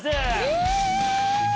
えっ！